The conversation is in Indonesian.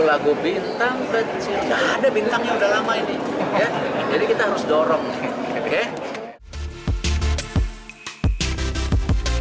lagu bintang kecil ada bintangnya udah lama ini ya jadi kita harus dorong oke